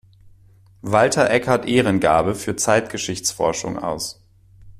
Walter-Eckhardt-Ehrengabe für Zeitgeschichtsforschung“ aus.